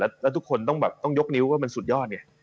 แล้วคุณต้องยกนิ้วว่ามันสุดยอด